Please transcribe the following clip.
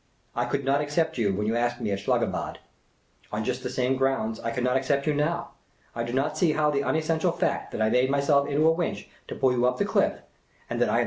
I could not accept jou when you asked me at Schlangenbad. On just the same grounds, I cannot accept you now. I do not see how the unes.sential fact that I made myself into a winch to pull you up the cliff, and that I am